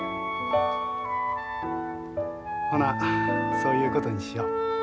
ほなそういうことにしよう。